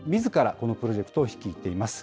このプロジェクトを率いています。